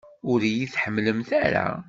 Ur iyi-tḥemmlemt ara!